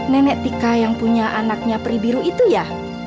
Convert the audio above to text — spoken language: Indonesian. nenek tika yang punya anaknya peri biru itu ya